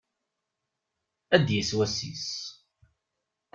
Ad d-yas wass-is.